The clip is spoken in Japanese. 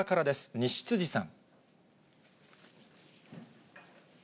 西辻さん。